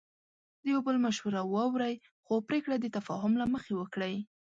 د یو بل مشوره واورئ، خو پریکړه د تفاهم له مخې وکړئ.